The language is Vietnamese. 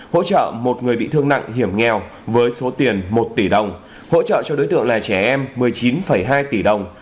hỗ trợ một người bị thương nặng hiểm nghèo với số tiền một tỷ đồng hỗ trợ cho đối tượng là trẻ em một mươi chín hai tỷ đồng